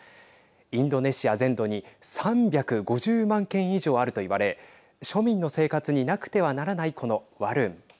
インドネシア全土に３５０万軒以上あるといわれ庶民の生活になくてはならない、このワルン。